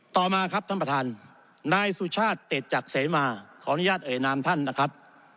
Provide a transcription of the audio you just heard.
ต่อมาครับท่านประธานนายสุชาติเต็ดจักเสมาขออนุญาตเอ่ยนามท่านนะครับ